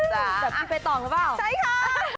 แต่พี่ไปต่อแล้วเปล่าใช่ค่ะ